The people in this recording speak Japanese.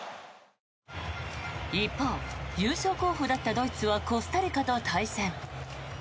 一方、優勝候補だったドイツはコスタリカと対戦。